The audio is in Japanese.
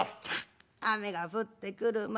「ザッ雨が降ってくる。